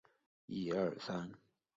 昨天我儿子闹着要去公园玩。